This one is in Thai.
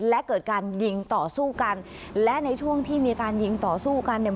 และเกิดการยิงต่อสู้กันและในช่วงที่มีการยิงต่อสู้กันเนี่ย